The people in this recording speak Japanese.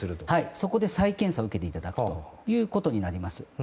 そこで再検査を受けていただくということになります。